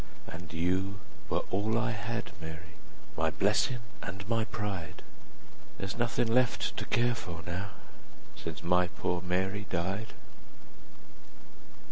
And you were all I had, Mary, My blessin' and my pride: 30 There 's nothin' left to care for now, Since my poor Mary died.